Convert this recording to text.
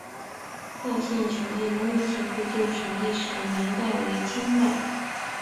化县首届农民协会旧址的历史年代为清代。